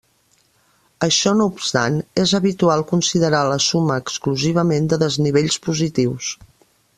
Això no obstant, és habitual considerar la suma exclusivament de desnivells positius.